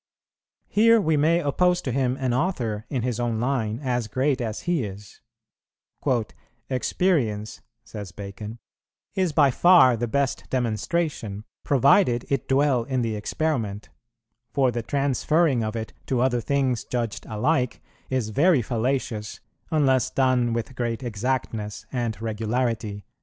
Here we may oppose to him an author in his own line as great as he is: "Experience," says Bacon, "is by far the best demonstration, provided it dwell in the experiment; for the transferring of it to other things judged alike is very fallacious, unless done with great exactness and regularity."